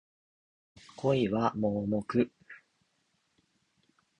恋は盲目